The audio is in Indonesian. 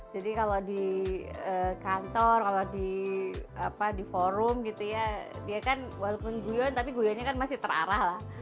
jadi kalau di kantor kalau di apa di forum gitu ya dia kan walaupun guyon tapi guyonnya kan masih terarah lah